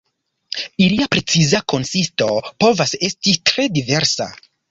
Ilia preciza konsisto povas esti tre diversa.